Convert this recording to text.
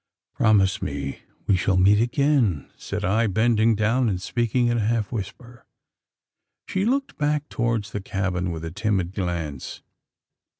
"Promise me, we shall meet again?" said I, bending down, and speaking in a half whisper. She looked back towards the cabin with a timid glance.